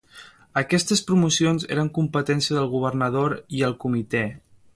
Aquestes promocions eren competència del Governador i el Comitè.